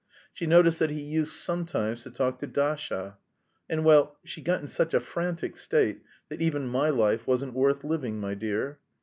She noticed that he used sometimes to talk to Dasha; and, well, she got in such a frantic state that even my life wasn't worth living, my dear.